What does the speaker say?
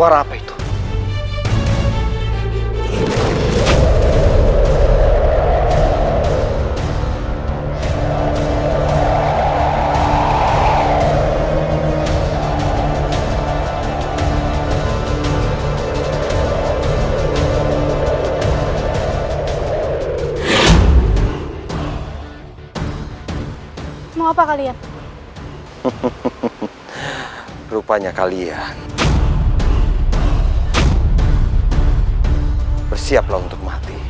aku berlari kesini untuk memberitahumu